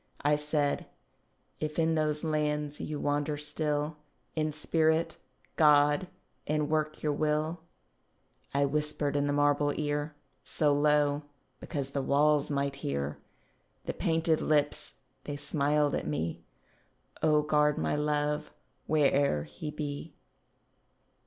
I said, "If in those lands you wander still, In spirit, God, and work your will," I whispered in the marble ear So low—because the walls might hear— The painted lips they smiled at me— "O guard my love, where'er he be."